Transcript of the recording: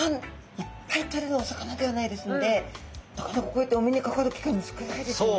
いっぱいとれるお魚ではないですのでなかなかこうやってお目にかかる機会も少ないですよね。